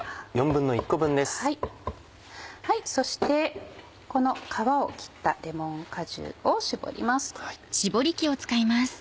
そしてこの皮を切ったレモン果汁を搾ります。